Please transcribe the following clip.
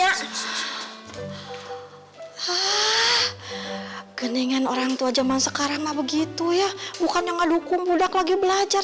hah genengan orang tua jaman sekarang lah begitu ya bukannya nggak dukung budak lagi belajar